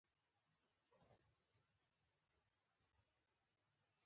خټکی د اشتها کمښت مخنیوی کوي.